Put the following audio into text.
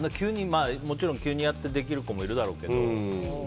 もちろん急にやってできる子もいるだろうけど。